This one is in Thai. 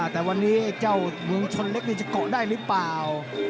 แต่วันนี้เจ้าเมืองชนเล็กนี่จะเกาะได้หรือเปล่า